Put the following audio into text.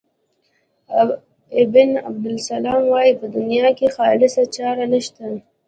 ابن عبدالسلام وايي په دنیا کې خالصه چاره نشته.